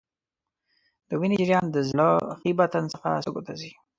د وینې جریان د زړه ښي بطن څخه سږو ته ځي.